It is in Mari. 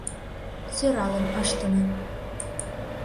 «Сӧралын ыштыме.